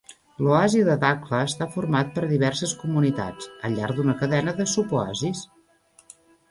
L'oasi de Dakhla està format per diverses comunitats, al llarg d'una cadena de suboasis.